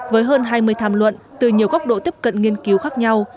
với hơn hai mươi tham luận từ nhiều góc độ tiếp cận nghiên cứu khác nhau